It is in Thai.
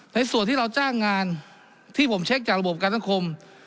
ส่วนที่เราจ้างงานที่ผมเช็คจากระบบการสังคม